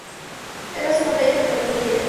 Es la segunda hija de la familia.